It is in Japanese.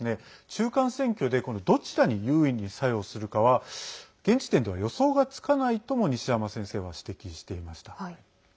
中間選挙でどちらに優位に作用するかは現時点では予想がつかないとも西山先生は指摘していました。